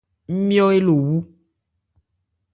Ńmjɔ́ eló wu.